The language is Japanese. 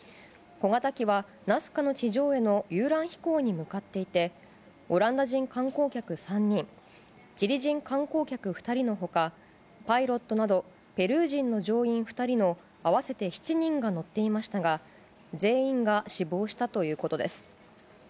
小型機は、ナスカの地上絵の遊覧飛行に向かっていてオランダ人観光客３人チリ人観光客２人の他パイロットなどペルー人の乗員２人の合わせて７人が乗っていましたが全員が死亡したということです。